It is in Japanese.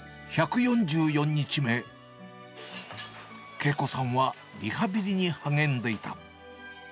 １４４日目、慶子さんはリハビリに励んでいた。